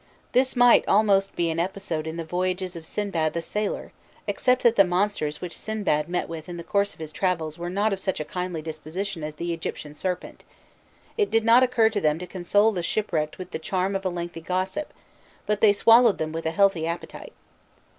This might almost be an episode in the voyages of Sindbad the Sailor; except that the monsters which Sindbad met with in the course of his travels were not of such a kindly disposition as the Egyptian serpent: it did not occur to them to console the shipwrecked with the charm of a lengthy gossip, but they swallowed them with a healthy appetite.